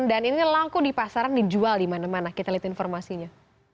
dan ini langku di pasaran dijual di mana mana kita lihat informasinya